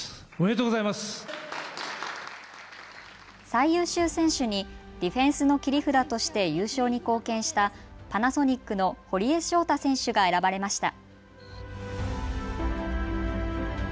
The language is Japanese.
最優秀選手にディフェンスの切り札として優勝に貢献したパナソニックの堀江翔太選手が選ばれました。